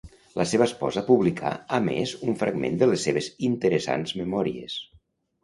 La seva esposa publicà a més un fragment de les seves interessants memòries.